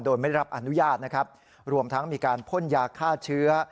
โดยไม่ได้รับอนุญาตนะครับรวมทั้งมีการพ่นยาฆ่าเชื้อ